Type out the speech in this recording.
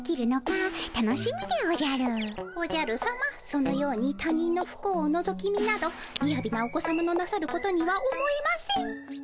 そのように他人のふ幸をのぞき見などみやびなお子さまのなさることには思えません。